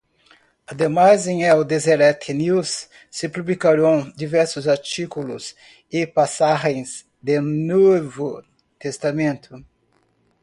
Además en el Deseret News se publicaron diversos artículos y pasajes del Nuevo Testamento.